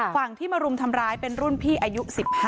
ฝั่งที่มารุมทำร้ายเป็นรุ่นพี่อายุ๑๕